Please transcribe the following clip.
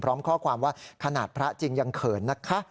พร้อมข้อความว่าขนาดพระจริงยังเขินนะคะ